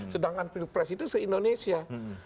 sedangkan pilpres itu se indonesia